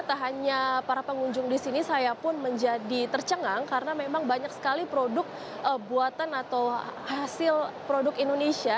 tak hanya para pengunjung di sini saya pun menjadi tercengang karena memang banyak sekali produk buatan atau hasil produk indonesia